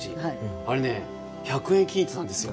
あれね１００円均一なんですよ。